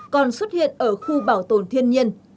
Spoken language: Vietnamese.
còn xuất hiện ở khu bảo tồn thiên nhiên